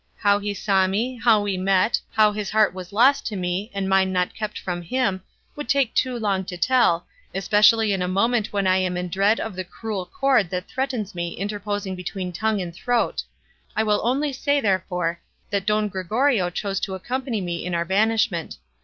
How he saw me, how we met, how his heart was lost to me, and mine not kept from him, would take too long to tell, especially at a moment when I am in dread of the cruel cord that threatens me interposing between tongue and throat; I will only say, therefore, that Don Gregorio chose to accompany me in our banishment.